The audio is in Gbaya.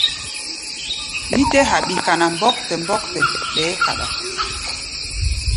Mí tɛ́ haɓi kana mɔ́ktɛ mɔ́ktɛ, ɓɛɛ́ kaɗá.